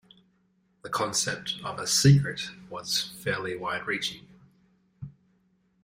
The concept of a "secret" was fairly wide reaching.